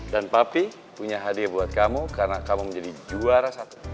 dan papi punya hadiah buat kamu karena kamu menjadi juara satu